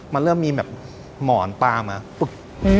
มันเริ่มมีแบบหมอนปลามาปุ๊บ